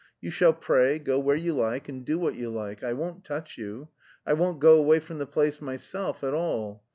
You shall pray, go where you like, and do what you like. I won't touch you. I won't go away from the place myself at all.